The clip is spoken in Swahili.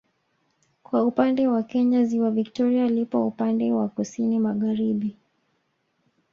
Kwa upande wa Kenya ziwa Victoria lipo upande wa kusini Magharibi